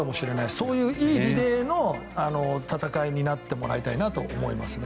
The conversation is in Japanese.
そういういいリレーの戦いになってもらいたいなと思いますね。